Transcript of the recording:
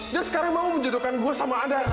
dan sekarang mama menjodohkan gue sama anda